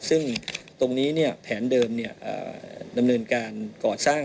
ซึ่งตรงนี้แผนเดิมดำเนินการก่อสร้าง